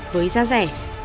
với giá rẻ